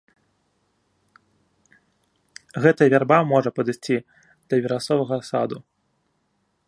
Гэтая вярба можа падысці для верасовага саду.